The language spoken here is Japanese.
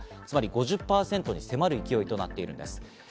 つまり５０％に迫る勢いとなっているんです。